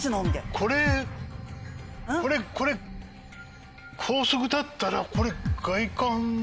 これこれこれ高速だったらこれ。